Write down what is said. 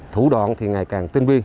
thủ đoạn thì ngày càng tinh viên